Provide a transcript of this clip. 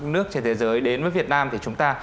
nước trên thế giới đến với việt nam thì chúng ta